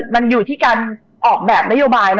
มันอยู่ที่การออกแบบนโยบาย